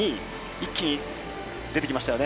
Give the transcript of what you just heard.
一気に、出てきましたよね